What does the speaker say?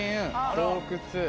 洞窟。